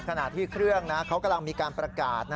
ขณะที่เครื่องเขากำลังมีการประกาศ